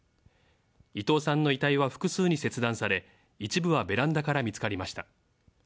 伊藤さんの遺体は複数に切断され、一部はベランダから見つかりました。